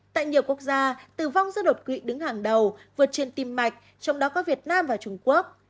tại nhiều quốc gia tử vong do đột quỵ đứng hàng đầu vượt trên tim mạch trong đó có việt nam và trung quốc